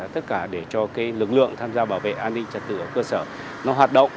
tất cả để cho lực lượng tham gia bảo vệ an ninh trật tự ở cơ sở nó hoạt động